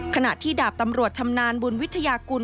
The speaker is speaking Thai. ขณะที่ดาบตำรวจชำนาญบุญวิทยากุล